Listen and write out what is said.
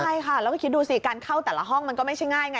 ใช่ค่ะแล้วก็คิดดูสิการเข้าแต่ละห้องมันก็ไม่ใช่ง่ายไง